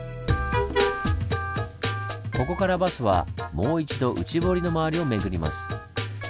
ここからバスはもう一度内堀の周りを巡ります。